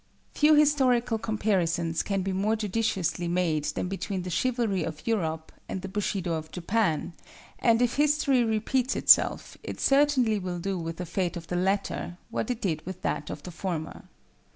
Few historical comparisons can be more judiciously made than between the Chivalry of Europe and the Bushido of Japan, and, if history repeats itself, it certainly will do with the fate of the latter what it did with that of the former.